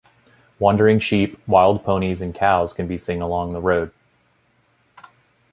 Wandering sheep, wild ponies and cows can be seen along the road.